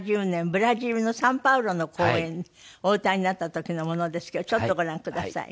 ブラジルのサンパウロの公演でお歌いになった時のものですけどちょっとご覧ください。